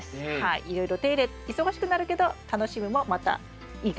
いろいろ手入れ忙しくなるけど楽しみもまたいいかなっていう。